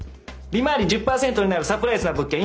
利回り１０％になるサプライズな物件